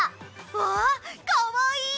わあかわいい！